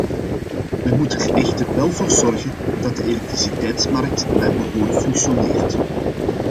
Wij moeten er echter wel voor zorgen dat de elektriciteitsmarkt naar behoren functioneert.